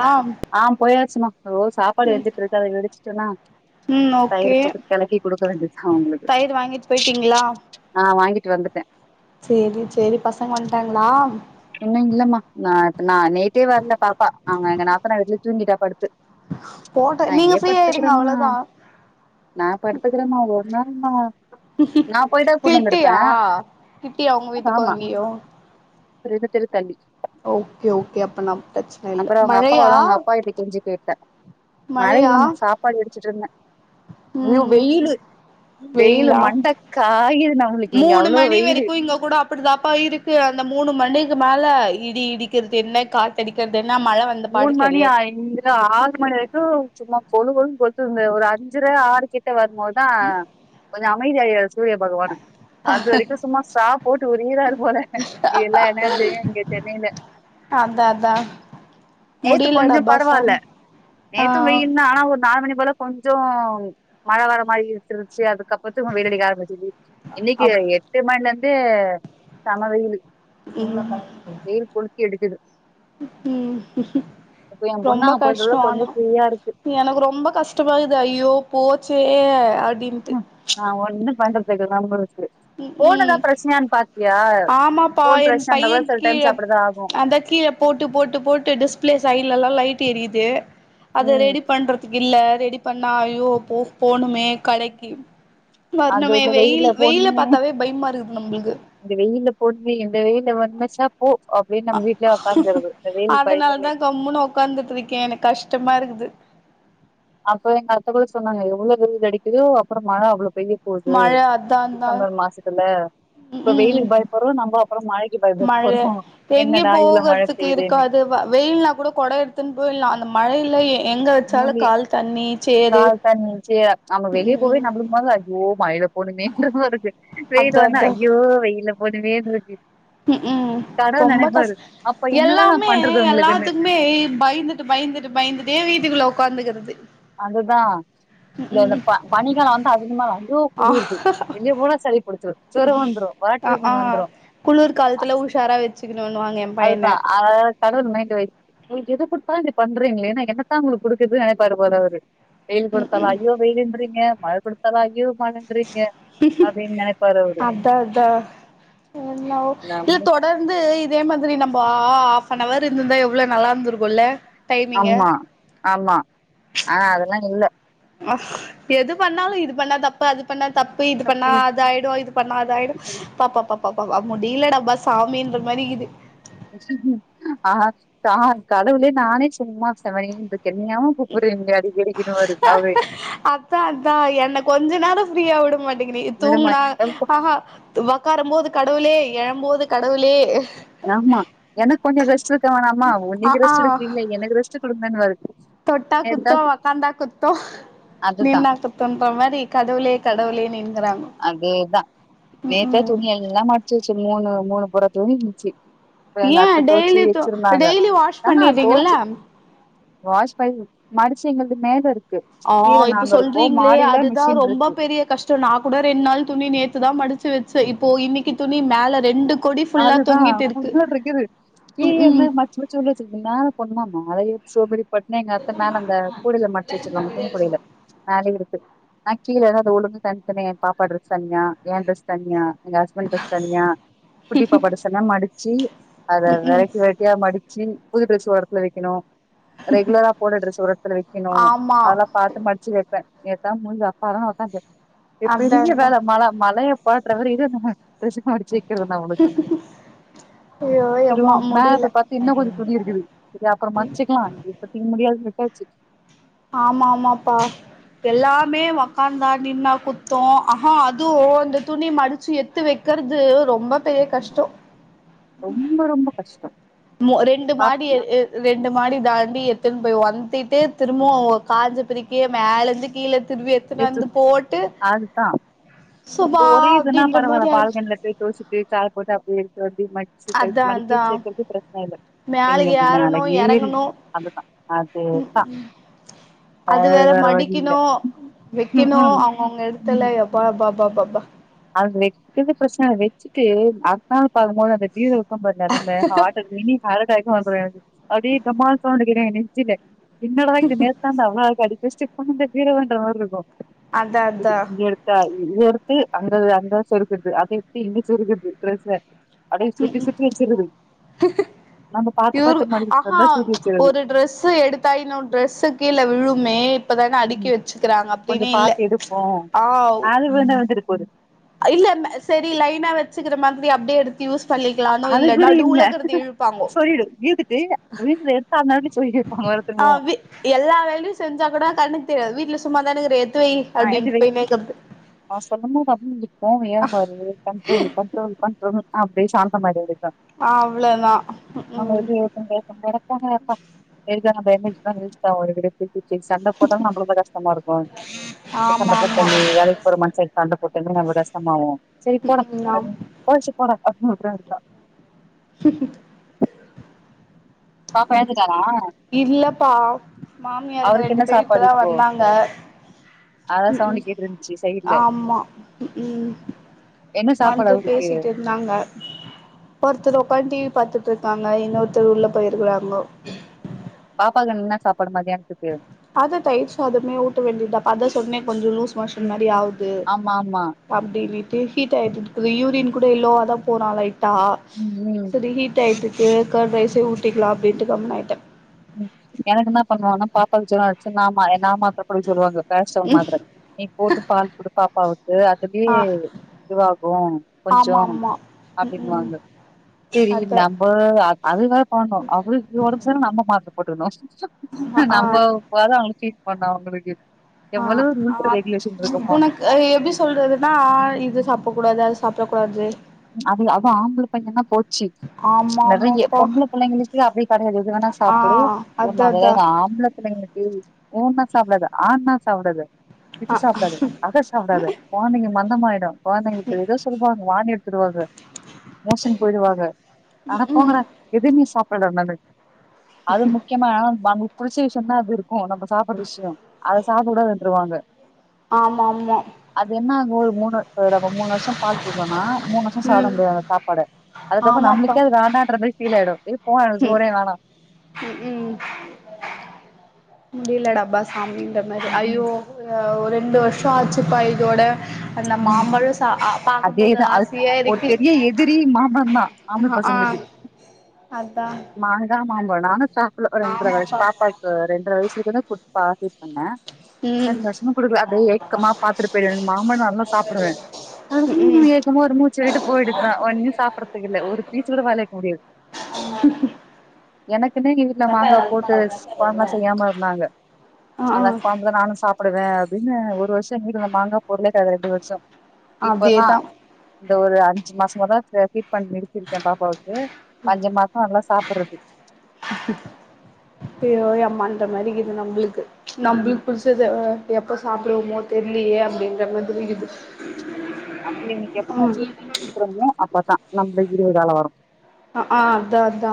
ஆ ஆ போயாச்சுமா தோ சாப்பாடு வெந்துட்ருக்கு அத வெந்துட்ச்ன்னா ம் ஓகே தயிர் போட்டு கெலக்கி குடுக்க வேண்டியத் தா அவுங்களுக்கு தயிர் வாங்கிட்டு போயிட்டீங்களா ஆ வாங்கிட் ட்டு வந்துட்டே சேரி சேரி பசங்க வன்ட்டாங்களா இன்னு இல்லமா ந நா நேத்தே வர்ல ப பா அவுங்க எங்க நாத்தனார் வீட்லயே தூங்கிட்டா படுத்து போட்ட நா நீங்க இங்கயே ஃப்ரீயா இருங்க படுத்துக்குறமா அவ்ளோதா நா படுத்துக்குறமா ஆமா கிட்டியா கிட்டியா உங்க வீட்டுக்கு ஆமா அங்கியு ரெண்டு தெரு தள்ளி ஓகே ஓகே அப்பன்னா ப்ரச்சன இல்ல மழையா கேட்ட மழை மழையா இல்லம்மா சாப்பாடு வெடுச்சிட்ருந்தே அய்யோ ம் வெயிலு வெயிலு வெயிலா மண்டக் காயிது நம்ளுக்கு இங்க மூணு அவுளோ மணி வெயிலு வரைக்கு இங்க ணிக்கு மேல இடி இடிக்கிற்து என்ன காத்தடிக்கெற்து எ மூண் மணியா இங்க ஆறு மணி வெரிக்கு சும்மா கொளு கொளுன் கொள்த்துதுங்க ஒரு அஞ்சர ஆறு கிட்ட வர் ம் போத்தா ப கொஞ்ச அமைதி ஆயியாச்சு சூரிய பகவானுக் அது வெரிக்கும் சும்மா ஸ்ட்ரா போட்டு உறியிறாரு போல எல்லா எனர்ஜியு இங்கே சென்னையில அதா அதா நேத்து முடியலடா கொஞ்சொ அப்பா பரவால்ல சாமி நேத்து ஆ வெயில் தா ஆனா ஒரு நால் மணி போல கொஞ்சொ மழ வர மாரி இருட்ருச்சி அதுக் கப்பத்துக்கு வெயிலடிக்க ஆரம்பிச்சிது இன்னைக்கி அப் எட்டு மண்லந் இதே சம வெயிலு இல்லமா எடுக்குது ம் இப்ப என் பொண்ணு ரொம்ப அங்க கஷ்டோ போயிட்டு கொஞ்ச ஆனா ஃப்ரீயா இருக்கு எனக்கு ரொம்ப கஷ்டமாக்குது ஐயோ போச்சே அப்டின்ட்டு நா ஒண்ணு பண்றத்துக்கு [unintelligible] ம் ஃபோன் எதா ம் ப்ரச்சனையான் பாத்தியா ஆமாப்பா போன் என் பிரச்சனை இருந்தா கூட பையன் சில கீழ டைம்ஸ் அப்படிதான் ஆகும் அந்தக் கீழப் போட்டுப் போட்டுபெ போட்டு டிஸ்ப்ளே சைட்லலா லைட் டு எரிதே அத ம் ரெடி பண்றதுக்கு இல்ல ரெடி பண்ணா ஐயோ போ போணுமே கடைக்கி அது வர்னமே இந்த வெயில் வெயில போணுமே பாத்தாவே பயமாருக்குது நம்ளுக்கு போண்மே இந்த வெயில வந்திர்சா போ அப்படின்னு நம்ம வீட்லயே உக்காந்துறது இந்த வெயில் அதனாலதா பயந்துனே கம்முனு ஒக்காந்துட்ருக்கே எனக் கஷ்ட்டமாருக்குது அப்ப எங்க அத்த கூட சொன்னாங்க எவ்ளோ வெயில் அடிக்குதோ அப்பற மழ அவ்ளோ மழ அத்தா அத்தா மாசத்துல இப்ப ம் வெயிலுக்கு பயப்படுறோம் நம்ம அப்புறம் மழைக்கு பயப்பட மழ போறோம் எங்கயு என்னடா இவ்வளவு மழை போகற்துக்கு பெய்யுதேன்னு இருக்காது வ வெயில்னா கூட கொட எடுத்துன் போயில்லா அந்த மழைல எ எங்க வச்சாலு மூலே கால் தண்ணி சேறு கால் தண்ணி சே நம்ம ம் வெளியே போவே ம் நம்ளுக் மொதல ஓ மழைல போனுமே ன்ற மார்ருக்கு வெயிலு அதா வந்த அய்யோ வெயில் போதுமேன்ருக்கு ம்க்ம் ரொம்ப கஷ் அப்ப என்னடா நா எல்லாமே பண்றது உங்களுக்குன்னு எல்லாத்துக்மே பயிந்துட்டு பயிந்துட்டு பயிந்துட்டே வீட் இதுல ஒக்காந்துகிறது அதுதா இந்த இந்த ப பனிகாலோ வந் அ அதுக்கு மேலாண்டி ஜொரோ வந்துரு அக்அ வாட்டர்கள் வந்துரு குளுர் கால்த்துல உஷாரா வெச்சுக்கணுவாங் அதுதா ஆ கடவுள் மைண்ட் வாய்ஸ் உங்குளுக் எது குடுத்தாலு இப்டி பண்றீங்களே நா என்னத்தா உங்குளுக் குடுக்குற்து நெனைப்பாரு போல அவரு வெயில் குடுத்தா ஜயோ வெயிலுன்றீங்க மழ குடுத்தாலு அய்யோ அவரு அதா அதா என்னவோ இல்ல நம்ம- தொடர்ந்து இதே மாதிரி நம் பா ஹாஃபனவர் இருந்துந்தா எவ்ளோ நல்லாந்திருக்கூல ஆமா ஆமா அ அதெல்லா இல்ல எது பண்ணாலு இது பண்ணா தப்பு அது பண்ணா தப்பு இது பண்ணா இல்ல அதாயிடு இது பண்ணா அதாயிடு பாப்பாபப் பாப்பப்பா முடியலடாப்பா சாமின்ற மாரிகிது ஆ கா கடவுளே நானே சும்மா செவனேன்ருக் அவரு அதா அதா என்ன கொஞ்ச நேர ஃப்ரீயா விடு மட் இன்னைக்கு நீ விடமா தூங்குனா ஆஹா ஒக்காரும் போது கடவுளே எழம்போது கடவுளே யாமா எனக் கொஞ்ச ரெஸ்ட் இருக்க வேணாமா ஓ ஆ நீங்க ஆ ரெஸ்ட் எடுக்குறீங்களே எனக்கு ரெஸ்ட்டு கொடுங் நன் வேரு தொட்டா குத்தோ ஒக்காந்தா குத்தோ அதுதா நின்னா குத்தோன்ற மாரி கதவுளே கடவுளே நின் அதேதா நேத்தே ம் துணி எல்லா மடிச்சி வச்சு மூணு மூணு புற. தோனிச்சி ஏ டெய்லி தோ டெய்லி வாஷ் ஆனா பண்ணிறீங்கில்ல? தோச்சு வாஷ் ப மடிச்சி எங்களுக்கு மேல இருக். ஆ இப்ப சொல்றீங்ளே அதுதா மிஷின் ரொம்ப இருக்கு பெரிய கஷ்டோ நா குடர் இன்னால் துணி நேத்துதா மடிச்சி வச் கொடி ஃபுல்லா அதுதா தொங்கிட்டு இருக்கு [unintelligible] இருக்குது ம் கீழ இருந்த ம் மச்ச மச்சு உள்ள [unintelligible] மேல பொண்ணுமா மேலையு சோ மெனி பட்ன எங்க அத்த மேல அந்த கூடயில மடிச்சி வச்சிருவாங்க துணிக்கூடையில மேலயே இரு நா கீழ ஏதாவது ஒழுங்கு தனித்தனே பாப்பா டிரஸ் தனியா ஏ டிரெஸ் தனியா எங்க ஹஸ்பண்ட் டிரெஸ் தனியா குட்டி பாப்பா டிரெஸ் எல்லா மடிச் சி அத ம் ம் வெரைட்டி வெரைட்டியா மடிச்சி புது டிரஸ் வரத்துல வக்கணு ரெகுலரா போடற டிரெச ஒரெடத்துல வெக்கினு ஆமா அதெல்லா பாத்து மடிச்சி வெப்பே [unintelligible] அதா எப்பவீங்க அதா வேல மழ மழய பாத்ரவர் இது என்ன [unintelligible] நா உனக்கு ஐயோ சேரி யம்மா மேகத்த முடில பாத்து இன்னு கொஞ்ச துணி இருக்குது செரி அப்புற மடிச்சுக்கலா இப்பத்திக் முடியாது. [unintelligible] ஆமா ஆமாப்பா எல்லாமே உக்காந்தா நின்னா குத்தோ ஆஹா அதுவு அந்த துணி மடிச்சி எத்து வெக்கிறது ரொம்ப பெரிய கஷ்டோ ரொம்ப ரொம்ப கஷ்டம் மு ரெண்டு மாடி எ ஏ ரெண் மாடி தாண்டி எத்துன் போய் வந்துட்டே திரும்பவு ஒ காஞ்ச பிரிக்க மேல இருந்து கீழ திரும்பி எத்துனு வந்து போட்டு அதுதா சுபா இப்ப ஒரே இதுன்னா அப்டின்ற பரவால்ல மாரி ஆயிடுச்சு பால்கன்லட்டு துவச்சிட்டு சால் போட்டு அப்படியே [unintelligible] ம [unintelligible] அதா மடிக்க அதா சே [unintelligible] மேல மேல இங்க அது ஏறணு மேல ஏறி எறங்கணு அந்த தா அதுதா. அது வேற மடிக்கினு. ம் வைக்கினும் ம் அவங்கவுங்க ம் இடத்துல எப்ப எப்ப பா. அப்பப்பா அது வெக்கிறது ப்ரச்னல்ல வெச்சிட்டு அட்த் நாள் பாக்கும்போது அந்த பீரோ [unintelligible] [unintelligible] அப்டி டமால் சௌண்ட் [unintelligible] [unintelligible] என்னடா இது நேத்து தான்டா அவ்ளழகா அடிச் ரிஸ்ட்ரிக் பண்ணா [unintelligible] அத் தா அத் தா [unintelligible] அந்தத அங்க சொருக்றது அத எப்படி இங்க சொருக்றது டிரஸ்ஸ அதே சுருட்டி சுருட்டி வச்சிர்றது இவுர் ஆஹா ஒரு டிரஸ்ஸு எடுத்தா இன்னொரு டிரஸ்ஸு கீழ விழுமே இப்பதான அடுக்கி ம் வெச்சிக்ராங்க கொஞ்சோ அப்டினே இல்ல பாத்து எடுப்போ ஆவ் அது விழுந்தா விழுந்துட்டு போது துணி அப்டியே எடுத் யூஸ் பண்ணிக்லானு அது இல்ல கூட நடுல இருக்றது இழுப்பாங்கோ சொல்லிடு விழுந்துட்டு விழுந்தத எடுத்து அந்த எடத்துல சொருகி வைப்பாங்க வேற அ திரும்பவு வி எல்லா வேலையு செஞ்சா கூட கண்ணுக் தெரியாது வீட்லஸ் சும்மா தானே இருக் எடுத் எடுத்து வை ஆ எடுத்து வை அப்டின்ட்டு பேய் மேக்கப்பு கோவியோ வருது கண்ட்ரோல்லு கண்ட்ரோல் கண்ட்ரோல் அப்டே சாந்தமாயிடு விடு அவ்ளோதா [unintelligible] ம் நடப்பாங்க அப்பா [unintelligible] [unintelligible] டேமேஜ் [unintelligible] செரி சண்ட போட்டாலூ நம்ளுக்கு [unintelligible] இருக்கூ சண்ட ஆமா ஆமா போட்டமே வேலைக்கு போற மனுஷன்ட்ட சண்ட போட்டமே [unintelligible] செரி போடா ம் ஆம் அப்டின் பொழச்சு போடா [unintelligible] இருக்கா பாப்பா எழுந்துட்டாளா இல்லப்பா மாமியாருங்க அவருக்கு ரெண்டு என்ன பேர் சாப்பாடு இப்பதா இப்போ வந்தாங்க அதான் உஹூம் சவுண்ட் கேட்டு இருந்துச்சு சைடுல ஆமா உஹும் என்ன சாப்பாடு வந்து அவருக்கு பேசிட்டு இருந்தாங்க ஒருத்தர் ஒக்காந் டீ வி பாத்திட் திர்க்காங்க இன்னொருத்தரு உள்ள போயிருக்கறாங்கோ உம் பாப்பாக்கு என்னா சாப்பாடு மத்தியானத்துக் அது தயிர் சாதமே ஊட்ட வேண்டி தா அதாப் சொன்னே கொஞ்சோ லூஸ் மோஷன் ம். மாரி ஆவுது ஆமா அப்டினிட்டு. ஹீட் ஆயிட்ருக்கிது யூரின் கூட எல்லோவா தா போறா லைட் தா ஆமா செரி ஹீட் ஆயிட்டு ஏ கெர்டு ரைஸே ஊட்டிக்கலா அப்படின்ட்டு கம்னு ஆயிட்டே எனக்கு என்ன பண்ணுவான்னா பாப்பாவ ஜொரோ அடுச்சு நா மயங்காம பெப்டைல் சொல்லாங்க பேரஸ்டோன் ம் மாத்தர நீ போட்டு பால் குடுப்பா பவ் இது அப்டியே ஆ இதுவாகு கொஞ்சோ ஆமா ஆமா ம் அப்டின்னு ம் வாங்க செரி அத நம்ம அது வேர தோண்ணு அவளுக் ஒடம்பு சரியல்னா நம்ம மாத் போட்டுக்கணு ஆ ஆ நம்ம போல மச்சி பண்ண அவங்களுக்கு ஆஹ் எவ்வளவு ரூல்ஸ் அத் ரெகுலேஷன் இருக்குமா உனக் எப்டி சொல்றதுன்னா இது சாப்ட கூடாது அது சாப்பிடக்கூடாது அது அது ஆம்பளை பையன போச்சு ஆமா நெறைய ஆமாப்பா பொம்பளை பிள்ளைங்களுக்கு அப்டியே கெடையாது எது வேணா ஆ சாப்பிடு அதா அதா ஒண்ணாகது ஆம்பளை பிள்ளைங்களுக்கு ஏ உன்னா சாப்புடாத ஆன்னா சாப்புடாத அ பிச்சு சாப்பிடாத அத சாப்பிடாத கொழந்தைங்க மந்தமாயிடு கொழந்தைங்க இப்டிதா சொல்லுவாங்க [unintelligible] போவாங்க மோசன் போயிடுவாங்க ஆனா ம் போங்கடா எதிர் ன்னு சாப்பிடல நானு அது முக்கியமா [unintelligible] புடிச்ச விஷயம்னா அது இரு அஹ் நம்ம சாப்படுற விஷயோ அத சாப்டகூடாதுன்றுருவாங்க ஆமா ஆமா [unintelligible] [unintelligible] மூணு வருஷ பால் குடுக்கலனா மூணு வருஷம் சாப்ட ம் முடியாதா அந்த சாப்பாட அதுக்கப்பறம் ஆமாப்பா நம்மளுக்கே அது வேண்டான்ற மாரி பீல் ஆயிடு ஏ போ எனக் சோறே வேணா ம் முடியலடா அபா சாமி ந்த மாரி ம் ம் ஐயோ ஆ ஒரே செக் ரெண்டு வருஷ ஆச்சு பா இதோட அந்த உம் மாம்பழோ சா பாக்கும்போது அதேதா அ ஆசையா ஒரு இருக்கு பெரிய எதிரி மாம்பழம் தா ஆம்ப ஆ பசங்களுக்கு அதா மாங்க மா வரனாக் சாப்பல ஒரு ரெண்டரை வருஷ ஆமாப்பா பாப்பாவுக்கு ரெண்டரை வயசக்கு தா குடுத்துபாக்கி பண்ணேன் ம் ரெண்டு வருஷமு குடுக்கல அப்டியே ஏக்கமா பாத்துட்டு போயிடுவே எனக்கு மாம்பழ நல்லா புடுவே ம் [unintelligible] ஒரு மூச்சட்டு போயிடுதா ஒன்னு சாப்புறதுக்கில்ல ஒரு பீச்சு கூட வாய்ல வக்க முடியா எனக் [unintelligible] வீட்ல மாங்கா போட்டு ஸ் கொழம்ப செய்யாமருந்தாங்க ஆ அத கொழம்புல நானு சாப் ப்புடுவே அப்டின்னு ஒரு வர்ஷம் [unintelligible] மாங்கா [unintelligible] சப் இப்பதா அதேதா இந்த ஒரு அஞ்சு மாசமாதா அ ஃபீட் பண் நிறுத்திற்கே பாப்பாவுக்கு பஞ்சம் மாசொ நல்லா சாப்பர்றது த மாரி இது நம்முளுக்கு நம்பளுக் புடுச்சது எப்பஸ் சாப்டுவொமோ தெர்ல்லியே அப்டின்ற மாதிரி இகுது அங்க இவனுக் [unintelligible] அப்பதா நம்பல்க் விடிவுகாலோ வரு அ ஆ அதா அதா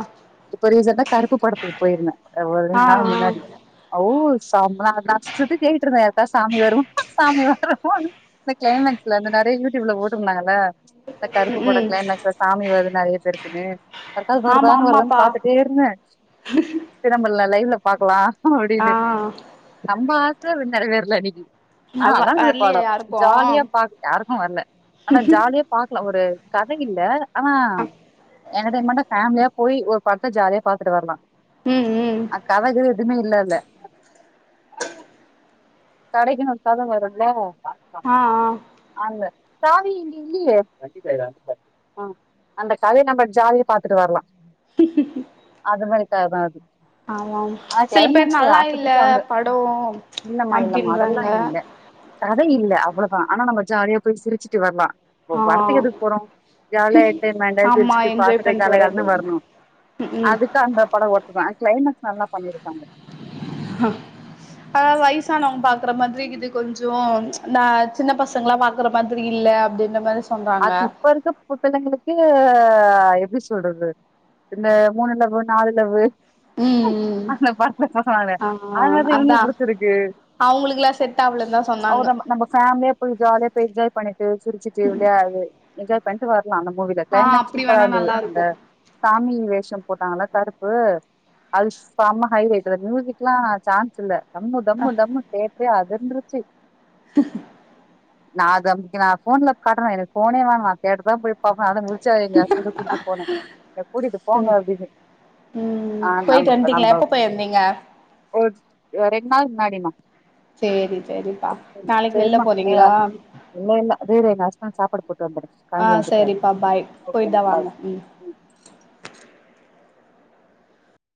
இப்ப ரீசன்டா கருப்பு படத்து போயிருந்தே ஒ ஆ ரெண் நாள் ஆ முன்னாடி அவ் செம்ம காட்ச் சுத்தி தேடிட்ருந்தே யாருக்காது சாமி வரு சாமி வருன் இந்த க்ளைமக்ஸ்ல இந்த நேர் த யூடுபுல போட்டுர்தாங்கள்ள த கருப்பு ம் பட ம் க்ளைமாக்ஸு சாமி வரு நெறைய பெருக்குனு யருக்காது வருதா ஆமா வருதான் ஆமாப்பா பாத்துட்டேருந்தே திரம்பல்ல லைவ்ல பாக்கலா ஆ அப்டினு நம்ம து நறய பேருல்ல இன்னக்கி ஆ வ நல்லாருந்தது வர்லியா படொ யாருக்கு ஜாலியா பாக் ருக்கு வர்ல ஆனா ஜாலியா பாக்லாம் ஒரு கதை இல்ல ஆமா அ என்டடைன்மெண்டா ஃபேமிலியா போய் ஒரு படத்த ஜாலியா பாத்துட்டு வர்லா ம் ம் அக்காவது துமே இல்லல்ல கடைக்குனு [unintelligible] வருல்ல ஆ அந்த சாவி இங்கெ இல்லியே வண்டி சாவி [unintelligible] அ அந்த கதைய நம்ப ஜாலியா பாத்துட்டு வர்லா அது மாரி [unintelligible] அது ஆ ஆமாம் ஆ சில பேர் க்ளைமாக்ஸு நல்லா இல்ல அசத்திட்டாங்க படோ இல்லமா இல்லமா அதல்லா அப்டின்றாங்க இல்ல கதை‌ இல்ல அவ்ளதா ஆனா நம்ப ஜாலியா போய் சிரிச்சிட்டு வர்லா போ ஆ படத்கு எதுக் போறோ ஜாலியா என்டைர்மண்டு ஆமா சிரிச்டு என்ஜாய் பண்ட்டு வர [unintelligible] அப்டின் வரணூ ம் ம் அதுக்கந்த படோ ஒர்த்துதா க்ளைமக்ஸ் நல்லா பண்ணிருகாங்க அ அதாவது வயசானவங் பாக் க்ற மாத்ரி கிது கொஞ்சு நா சின்ன பசங்ளா பாக்குற மாத்ரி இல்ல அப்டின்ற மாரி ஸ் அத் இப்பருக்க புட்டளைங்ளுக்கு ஆ எப்டி சொல்றது இந்த மூணு லவ்வு நாலு லவ்வு ம் [unintelligible] ம் ஆ அதனால தா இவங்ள அதா புடிச்சிருக்கு அவங்களுக்குல்லா செட் ஆவலன்தா சொன்னாங்க அவதம் நம்ம ஃபேம்லியா போய் ஜாலியா போய் என்ஜாய் பண்ணிட்டு சிரிச்சுட்டு என்ஜாய் பண்ட்டு வ ல அந்த மூவில ஆ கிளைமேக்ஸ் அப்டி வேணா சூப்பராருந்தது நல்லா அந்த இருக்கு சாமி வேஷம் போட்டாங்கல கருப்பு அது சம ஹைலேட்டு மியூசிக்கெல்லா சான்ஸ் இல்ல டம்மு ஆ டம்மு டம்மு தேட்ரே ஆ ரண்ட்ரிச்சி நா அது அம்கினா ஃபோன்லப் காட்டுனா எனக்கு ஃபோனே வேணா தேட்டர்தா போய் [unintelligible] அத முடிச்ச எங்க ஹஸ்பண்ட கூட்டிட்டு போனே எ கூட்டிட்டு போங்க சரி அப்டினு ம் ஆ போயிட்டு நம்பக் நம்ப வந்ட்டீங்களா எப்ப போயிருந்தீங்க ஒர் ஒ ரெண் நாள் முன்னாடிமா செரி செரிப்பா நாளைக்க வெள்ல சரிமா போறீங்ளா இல்ல இல்ல இரு எங்க ஹஸ்பண்ட் சாப்பாடு போட்டு வந்துற [unintelligible] வந்துட்டா பாய் ஓக்கே போயிட்டு மா தா பாய் வாங்க ம்